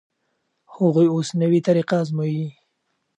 هغوی اوس نوې طریقه ازمويي.